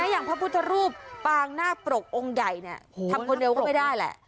อย่างพระพุทธรูปปางนาคปรกองค์ใหญ่ทำคนเดียวก็ไม่ได้แหละ